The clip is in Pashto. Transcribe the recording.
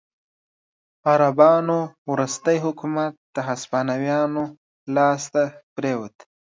عربانو وروستی حکومت د هسپانویانو لاسته پرېوت.